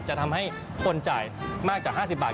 จะทำให้คนจ่ายมากจาก๕๐บาท